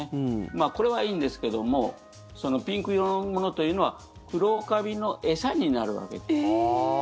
まあ、これはいいんですけどもピンク色のものというのは黒カビの餌になるわけです。